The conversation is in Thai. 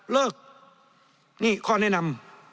เลิกนี่ข้อแนะนำ